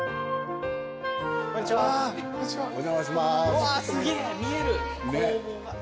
うわすげえ見える工房が。